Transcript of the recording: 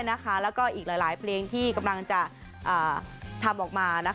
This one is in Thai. แล้วก็อีกหลายเพลงที่กำลังจะทำออกมา